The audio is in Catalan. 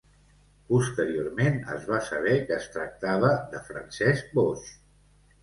Posteriorment es va saber que es tractava de Francesc Boix.